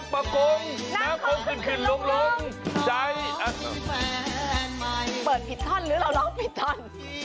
เปิดผิดท่อนหรือเราร้องผิดท่อน